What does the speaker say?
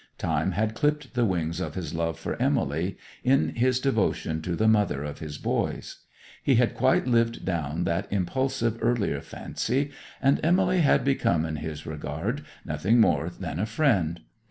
Time had clipped the wings of his love for Emily in his devotion to the mother of his boys: he had quite lived down that impulsive earlier fancy, and Emily had become in his regard nothing more than a friend.